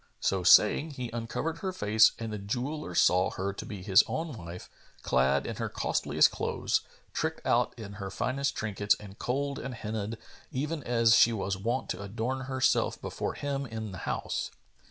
So saying, he uncovered her face and the jeweller saw her to be his own wife, clad in her costliest clothes, tricked out in her finest trinkets and kohl'd and henna'd, even as she was wont to adorn herself before him in the house.